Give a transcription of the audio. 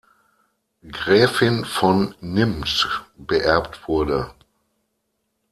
Gräfin von Nimptsch" beerbt wurde.